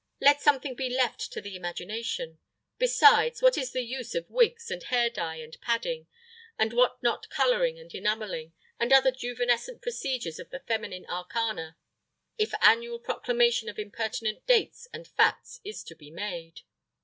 Let something be left to the imagination. Besides, what is the use of wigs and hair dye and padding, and what not coloring and enamelling, and other juvenescent procedures of the feminine arcana, if annual proclamation of impertinent dates and facts is to be made?